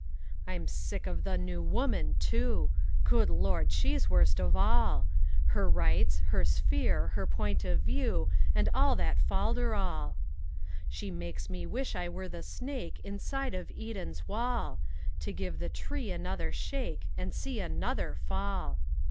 I'm sick of the New Woman, too. Good Lord, she's worst of all. Her rights, her sphere, her point of view, And all that folderol! She makes me wish I were the snake Inside of Eden's wall, To give the tree another shake, And see another fall.